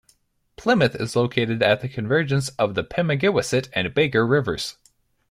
Plymouth is located at the convergence of the Pemigewasset and Baker rivers.